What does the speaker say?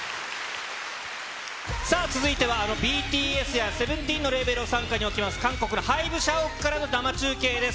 さあ続いては、あのＢＴＳやＳＥＶＥＮＴＥＥＮのレーベルを傘下に置きます、韓国のハイブ社屋からの生中継です。